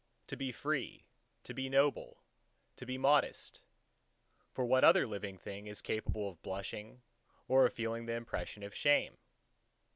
To be free, to be noble, to be modest (for what other living thing is capable of blushing, or of feeling the impression of shame?)